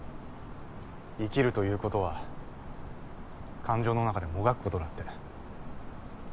生きるということは感情の中でもがくことだって。